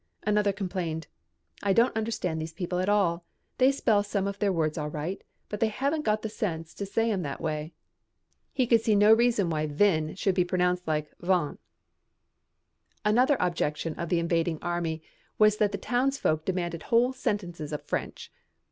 Another complained, "I don't understand these people at all. They spell some of their words all right, but they haven't got the sense to say 'em that way." He could see no reason why "vin" should sound like "van." Another objection of the invading army was that the townsfolk demanded whole sentences of French.